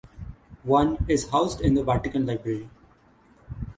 One is housed in the Vatican Library.